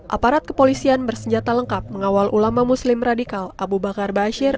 aparat kepolisian bersenjata lengkap mengawal ulama muslim radikal abu bakar bashir